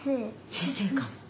先生かも。